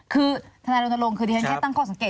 คือธนาลงคือที่ฉันแค่ตั้งข้อสังเกต